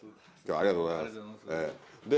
ありがとうございます。